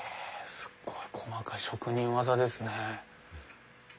すごい細かい職人技ですね。